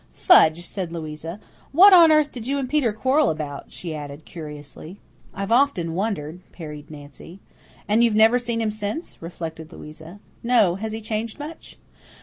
"Fudge!" said Louisa. "What on earth did you and Peter quarrel about?" she added, curiously. "I've often wondered," parried Nancy. "And you've never seen him since?" reflected Louisa. "No. Has he changed much?"